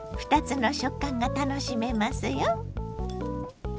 ２つの食感が楽しめますよ。